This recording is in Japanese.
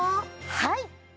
はい！